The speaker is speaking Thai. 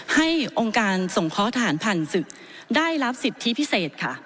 องค์การสงเคราะห์ทหารผ่านศึกได้รับสิทธิพิเศษค่ะ